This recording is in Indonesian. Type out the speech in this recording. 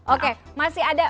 oke masih ada